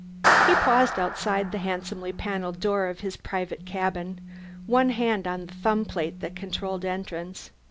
He paused outside the handsomely panelled door of his private cabin, one hand on the thumb plate that controlled entrance.